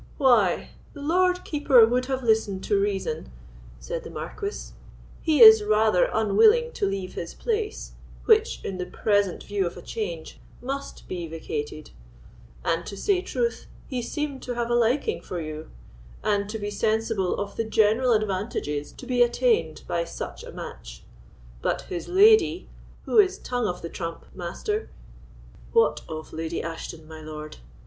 "Why, the Lord Keeper would have listened to reason," said the Marquis; "he is rather unwilling to leave his place, which, in the present view of a change, must be vacated; and, to say truth, he seemed to have a liking for you, and to be sensible of the general advantages to be attained by such a match. But his lady, who is tongue of the trump, Master——" "What of Lady Ashton, my lord?"